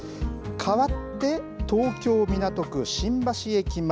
かわって東京・港区新橋駅前。